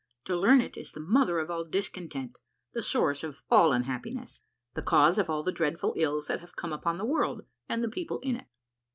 To liiin it is the mother of all discontent, the source of all unhappiness, the cause of all the dreadful ills that have come upon the world, and the people in it.